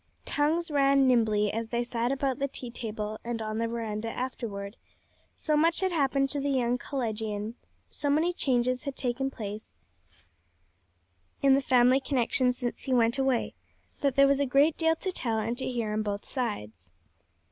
Tongues ran nimbly as they sat about the tea table and on the veranda afterward; so much had happened to the young collegian, so many changes had taken place in the family connection since he went away, that there was a great deal to tell and to hear on both sides.